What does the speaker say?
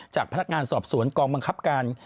จากพนักงานสอบสวนกองบังคับการ